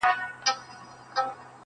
په خبرو په کیسو ورته ګویا سو؛